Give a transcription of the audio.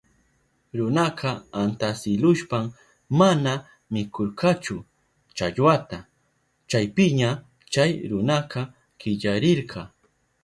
Runaka antsilushpan mana mikurkachu challwaka. Chaypiña chay runaka killarirka.